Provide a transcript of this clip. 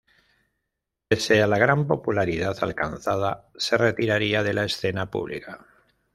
Pese a la gran popularidad alcanzada, se retiraría de la escena pública.